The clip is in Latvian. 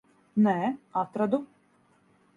Nē, atradu.